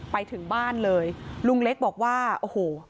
ไปถึงบ้านเลยลุงเล็กบอกว่าโอ้โห